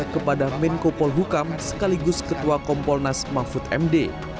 kepada menko polhukam sekaligus ketua kompolnas mahfud md